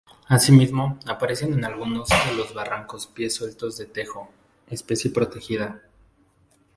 Asimismo, aparecen en alguno de los barrancos pies sueltos de tejo, especie protegida.